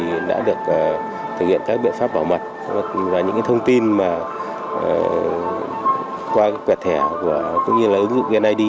chúng tôi đã được thực hiện các biện pháp bảo mật và những thông tin qua quẹt thẻ cũng như là ứng dụng vneid